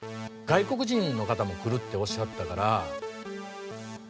外国人の方も来るっておっしゃったから。